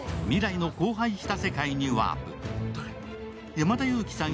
山田裕貴さん